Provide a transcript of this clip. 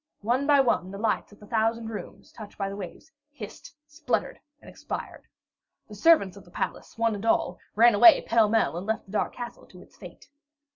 One by one, the lights in the thousand rooms, touched by the waves, hissed, sputtered, and expired. The servants of the palace, one and all, ran away pell mell, and left the dark castle to its fate.